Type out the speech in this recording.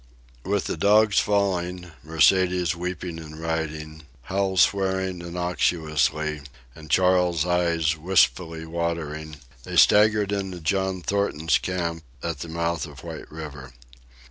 With the dogs falling, Mercedes weeping and riding, Hal swearing innocuously, and Charles's eyes wistfully watering, they staggered into John Thornton's camp at the mouth of White River.